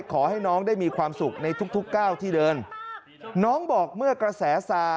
ขอให้น้องได้มีความสุขในทุกทุกก้าวที่เดินน้องบอกเมื่อกระแสซา